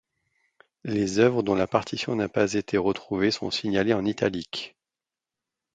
Les œuvres dont la partition n’a pas été retrouvée sont signalées en italique.